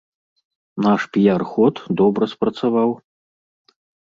Наш піяр-ход добра спрацаваў.